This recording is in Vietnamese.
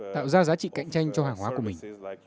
tạo ra giá trị cạnh tranh cho hàng hóa của mình